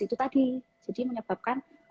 itu tadi jadi menyebabkan